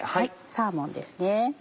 サーモンですね。